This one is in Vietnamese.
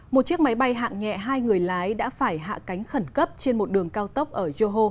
một chiếc máy bay hạng nhẹ hai người lái đã phải hạ cánh khẩn cấp trên một đường cao tốc ở joho